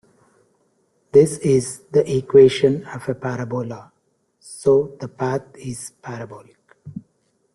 This is the equation of a parabola, so the path is parabolic.